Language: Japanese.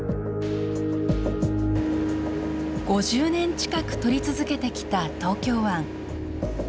５０年近く撮り続けてきた東京湾。